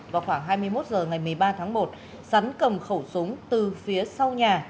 vào khoảng hai mươi một h ngày một mươi ba tháng một sắn cầm khẩu súng từ phía sau nhà